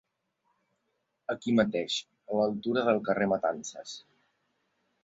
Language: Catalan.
Aquí mateix, a l'altura del carrer Matances.